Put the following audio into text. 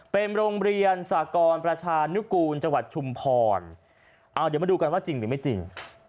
เป็นโรงเรียนสากรประชานุกูลจังหวัดชุมพรเอาเดี๋ยวมาดูกันว่าจริงหรือไม่จริง